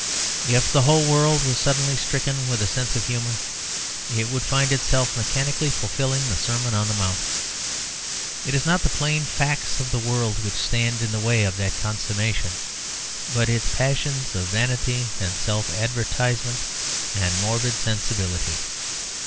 If the whole world was suddenly stricken with a sense of humour it would find itself mechanically fulfilling the Sermon on the Mount. It is not the plain facts of the world which stand in the way of that consummation, but its passions of vanity and self advertisement and morbid sensibility.